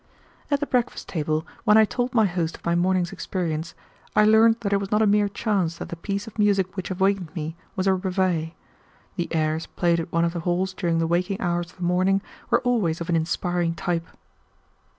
At the breakfast table, when I told my host of my morning's experience, I learned that it was not a mere chance that the piece of music which awakened me was a reveille. The airs played at one of the halls during the waking hours of the morning were always of an inspiring type.